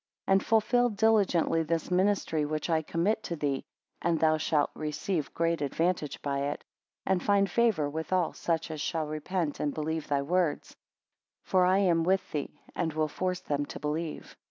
13 And fulfil diligently this ministry which I commit to thee, and thou shalt receive great advantage by it, and find favour with all such as shall repent and believe thy words. For I am with thee, and will force them to believe.